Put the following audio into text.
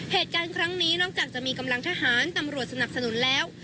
เหตุการณ์ครั้งนี้นอกจากจะมีกำลังทหารตำรวจสนับสนุนแล้ว